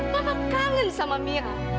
mama kangen sama mira